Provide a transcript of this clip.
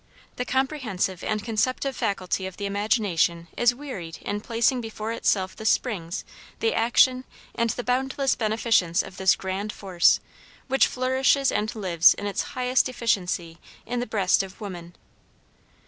The comprehensive and conceptive faculty of the imagination is wearied in placing before itself the springs, the action, and the boundless beneficence of this grand force, which flourishes and lives in its highest efficiency in the breast of woman.